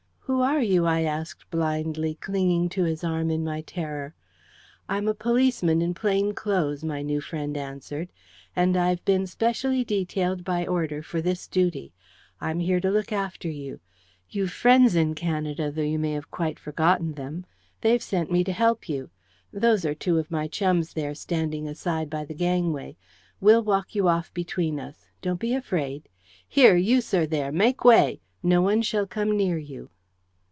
"Who are you?" I asked blindly, clinging to his arm in my terror. "I'm a policeman in plain clothes," my new friend answered; "and I've been specially detailed by order for this duty. I'm here to look after you. You've friends in Canada, though you may have quite forgotten them. They've sent me to help you. Those are two of my chums there, standing aside by the gangway. We'll walk you off between us. Don't be afraid. Here, you sir, there; make way! No one shall come near you."